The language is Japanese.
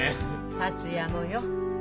達也もよ。